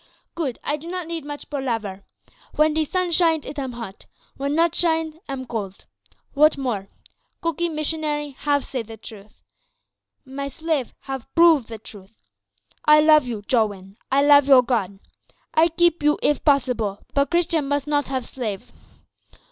Good, I do not need much palaver. Wen de sun shines it am hot; wen not shine am cold. Wot more? Cookee missionary have say the truth. My slave have prove the truth. I love you, Jowin. I love your God. I keep you if possible, but Christian must not have slave.